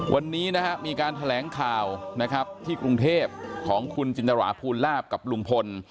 วันนี้นะฮะมีการแถลงข่าวนะครับที่กรุงเทพของคุณจินตราภูลาภกับลุงพล